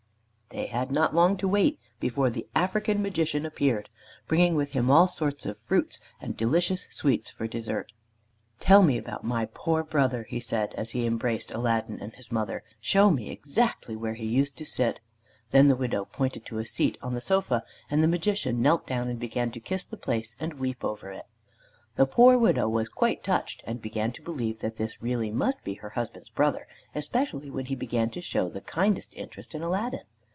They had not long to wait before the African Magician appeared, bringing with him all sorts of fruits and delicious sweets for desert. "Tell me about my poor brother," he said, as he embraced Aladdin and his mother. "Show me exactly where he used to sit." Then the widow pointed to a seat on the sofa, and the Magician knelt down and began to kiss the place and weep over it. The poor widow was quite touched, and began to believe that this really must be her husband's brother, especially when he began to show the kindest interest in Aladdin.